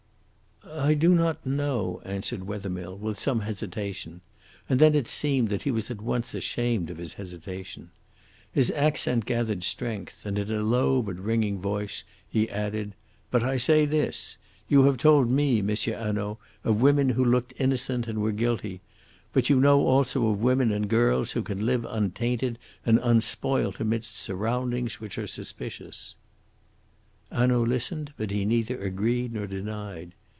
"I do not know," answered Wethermill, with some hesitation, and then it seemed that he was at once ashamed of his hesitation. His accent gathered strength, and in a low but ringing voice, he added: "But I say this. You have told me, M. Hanaud, of women who looked innocent and were guilty. But you know also of women and girls who can live untainted and unspoilt amidst surroundings which are suspicious." Hanaud listened, but he neither agreed nor denied.